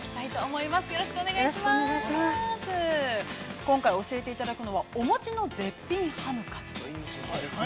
◆今回教えていただくのはお餅の絶品ハムカツということですね。